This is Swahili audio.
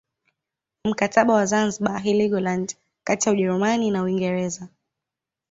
Mkataba wa Zanzibar Helgoland kati ya Ujerumani na Uingereza